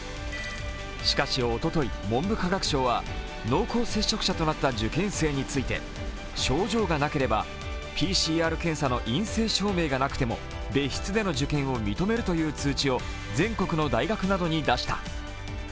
しかし、おととい文部科学省は濃厚接触者となった受験生について症状がなければＰＣＲ検査の陰性証明がなくても別室での受験を認めるという通知を全国の大学などに出した。